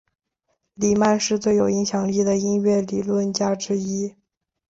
里曼是最有影响力的音乐理论家之一。